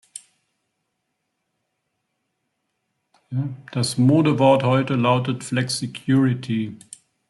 Das Modewort heute lautet "Flexicurity".